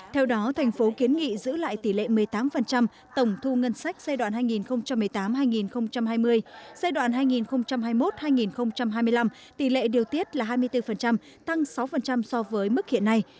theo đó thành phố kiến nghị giữ lại tỷ lệ một mươi tám tổng thu ngân sách giai đoạn hai nghìn một mươi tám hai nghìn hai mươi giai đoạn hai nghìn hai mươi một hai nghìn hai mươi năm tỷ lệ điều tiết là hai mươi bốn tăng sáu so với mức hiện nay